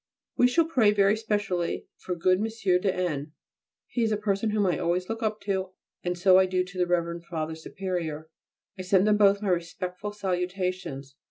We shall pray very specially for good M. de N. He is a person whom I always look up to, and so I do to the Rev. Father Superior. I send them both my respectful salutations.